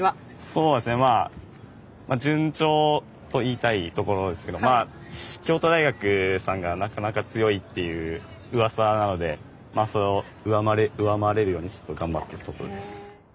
そうですねまあ順調と言いたいところですけどまあ京都大学さんがなかなか強いっていううわさなのでまあそれを上回れるようにちょっと頑張ってるところです。